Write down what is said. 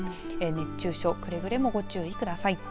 熱中症くれぐれもご注意ください。